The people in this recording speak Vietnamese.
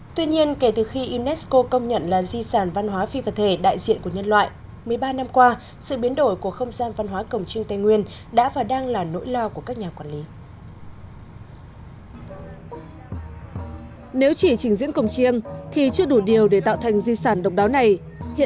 tuy nhiên kể từ khi unesco công nhận là di sản văn hóa phi vật thể đại diện của nhân loại